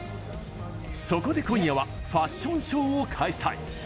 そこで、今夜はファッションショーを開催。